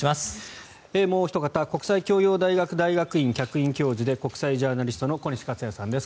もうおひと方国際教養大学大学院客員教授で国際ジャーナリストの小西克哉さんです。